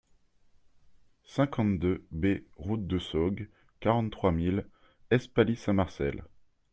cinquante-deux B route de Saugues, quarante-trois mille Espaly-Saint-Marcel